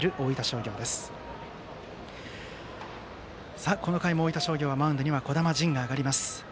さあ、この回も大分商業マウンドには児玉迅が上がります。